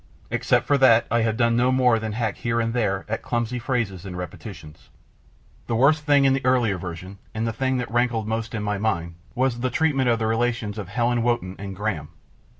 Except for that, I have done no more than hack here and there at clumsy phrases and repetitions. The worst thing in the earlier version, and the thing that rankled most in my mind, was the treatment of the relations of Helen Wotton and Graham.